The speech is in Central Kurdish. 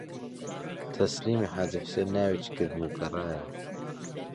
تەسلیمی حاجی حوسێن ناوێکی کردم و گەڕایەوە